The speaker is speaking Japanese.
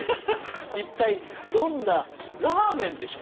一体どんなラーメンでしょ？